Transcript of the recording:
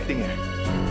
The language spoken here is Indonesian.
kamu udah selesai